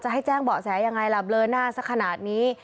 ให้แจ้งเบาะแสยังไงล่ะเบลอหน้าสักขนาดนี้